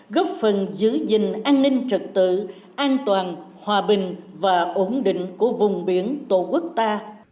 góp phần giữ gìn an ninh trật tự an toàn hòa bình và ổn định của vùng biển tổ quốc ta